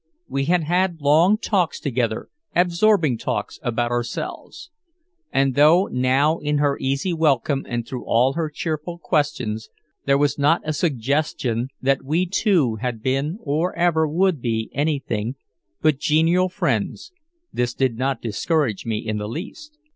We had had long talks together, absorbing talks about ourselves. And though now in her easy welcome and through all her cheerful questions there was not a suggestion that we two had been or ever would be anything but genial friends, this did not discourage me in the least.